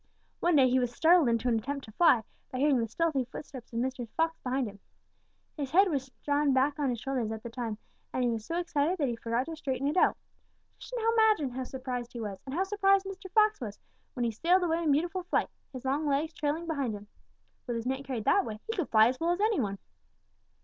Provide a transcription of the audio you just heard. "One day he was startled into an attempt to fly by hearing the stealthy footsteps of Mr. Fox behind him. His head was drawn back on his shoulders at the time, and he was so excited that he forgot to straighten it out. Just imagine how surprised he was, and how surprised Mr. Fox was, when he sailed away in beautiful flight, his long legs trailing behind him. With his neck carried that way, he could fly as well as any one.